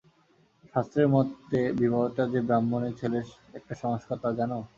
শাস্ত্রের মতে বিবাহটা যে ব্রাহ্মণের ছেলের একটা সংস্কার তা জান?